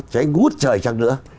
cháy ngút trời chăng nữa